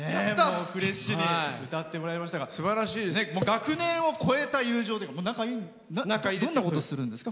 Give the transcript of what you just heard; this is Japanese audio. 学年を超えた友情でどんなことするんですか？